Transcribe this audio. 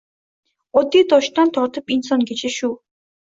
Oddiy toshdan tortib insongacha shu.